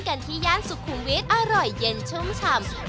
กันที่ย่านสุขุมวิทย์อร่อยเย็นชุ่มฉ่ำ